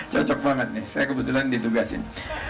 cocok banget nih saya kebetulan ditugasin